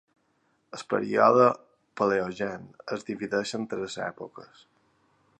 El període Paleogen es divideix en tres èpoques: